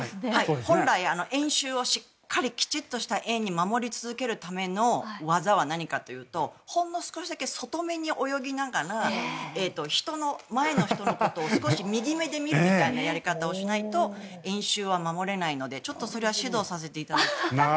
本来、円周をしっかりきちんとした円に守り続けるための技は何かというとほんの少しだけ外めに泳ぎながら前の人のことを右目で見るみたいなことをしないと円周は守れないのでちょっとそれは指導させていただきたい。